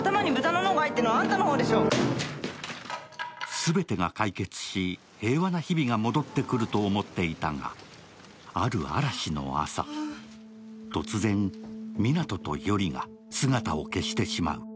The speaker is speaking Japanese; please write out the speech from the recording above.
全てが解決し、平和な日々が戻ってくると思っていたがある嵐の朝、突然、湊と依里が姿を消してしまう。